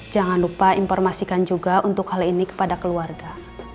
jangan lupa informasikan juga untuk hal ini kepada keluarga